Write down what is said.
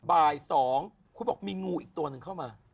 บ่าย๒คุณบอกมีงูอีกตัวหนึ่งเข้ามา